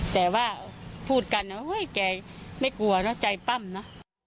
แต่ว่าพูดกันนะแกไม่กลัวเนอะใจปั้มนะ